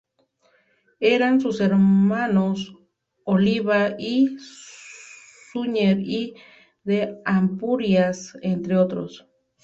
Eran sus hermanos Oliba I y Suñer I de Ampurias, entre otros.